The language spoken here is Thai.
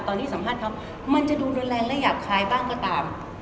ตอนนี้สัมภาษณ์เขามันจะดูรุนแรงและหยาบคายบ้างก็ตาม